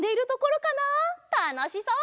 たのしそう！